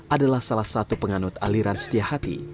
adalah salah satu penganut aliran setia hati